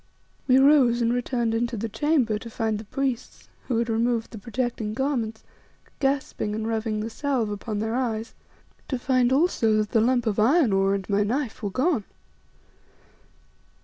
We rose and returned into the chamber to find the priests, who had removed the protecting garments, gasping and rubbing the salve upon their eyes; to find also that the lump of iron ore and my knife were gone.